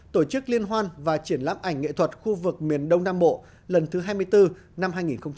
tổ chức liên hoan và triển lãm ảnh nghệ thuật khu vực miền đông nam bộ lần thứ hai mươi bốn năm hai nghìn hai mươi